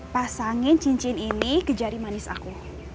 pasangin cincin ini ke jari manis aku